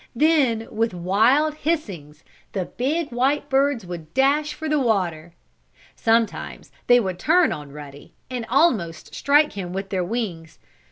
Then, with wild hissings, the big, white birds would dash for the water. Sometimes they would turn on Ruddy, and almost strike him with their wings.